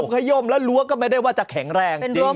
ขยมแล้วรั้วก็ไม่ได้ว่าจะแข็งแรงจริง